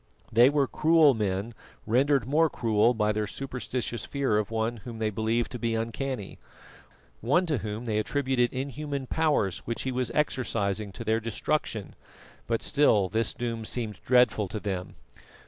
They were cruel men rendered more cruel by their superstitious fear of one whom they believed to be uncanny; one to whom they attributed inhuman powers which he was exercising to their destruction, but still this doom seemed dreadful to them.